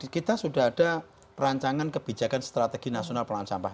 kita sudah ada perancangan kebijakan strategi nasional perangan sampah